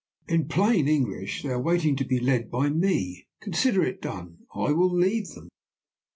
In plain English, they are waiting to be led by Me. Consider it done. I will lead them.